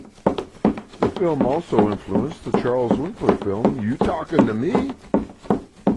The film also influenced the Charles Winkler film You Talkin' to Me?